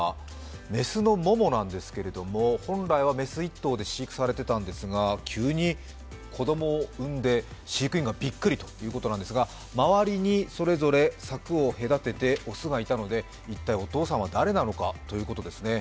雌のモモなんですけど本来は雌１頭で飼育されてたんですが急に子供を産んで、飼育員がびっくりということなんですが周りにそれぞれ柵を隔てて雄がいたので一体お父さんは誰なのかということですね。